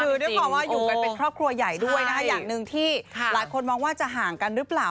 คือด้วยความว่าอยู่กันเป็นครอบครัวใหญ่ด้วยนะคะอย่างหนึ่งที่หลายคนมองว่าจะห่างกันหรือเปล่า